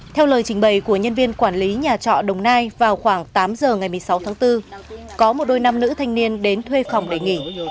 theo lời trình bày của nhân viên quản lý nhà trọ đồng nai vào khoảng tám giờ ngày một mươi sáu tháng bốn có một đôi nam nữ thanh niên đến thuê phòng để nghỉ